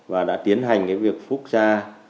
và đã tiến hành cái việc phúc gia